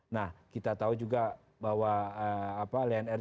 nah kita tahu juga bahwa lion air sudah menangani